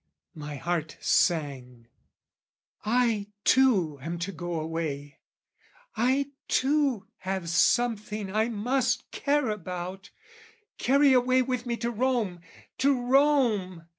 My heart sang, "I too am to go away, "I too have something I must care about, "Carry away with me to Rome, to Rome!